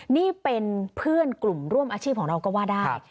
นี่เป็นเพื่อนกลุ่มร่วมอาชีพของเราก็ว่าได้